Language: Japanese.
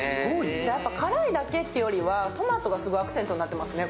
やっぱ辛いだけというよりは、トマトがすごいアクセントになってますね。